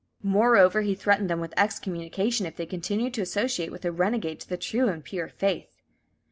Moreover, he threatened them with excommunication if they continued to associate with such a renegade to the true and pure faith.